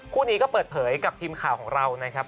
คู่นี้ก็เปิดเผยกับทีมข่าวของเรานะครับ